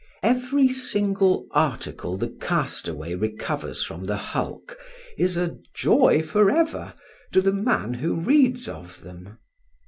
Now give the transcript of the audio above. Every single article the castaway recovers from the hulk is "a joy for ever" to the man who reads of them.